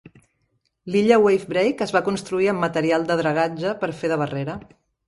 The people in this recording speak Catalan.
L'illa Wave Break es va construir amb material de dragatge per fer de barrera.